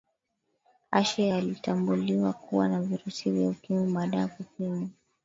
ashe alitambuliwa kuwa na virusi vya ukimwi baada ya kupimwa